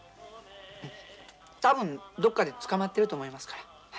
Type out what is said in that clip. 多分どっかでつかまってると思いますから。